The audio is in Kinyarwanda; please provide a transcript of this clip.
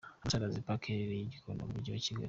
Ambassador's Park iherereye i Gikondo mu mujyi wa Kigali.